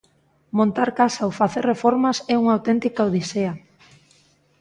Montar casa ou facer reformas é unha auténtica odisea.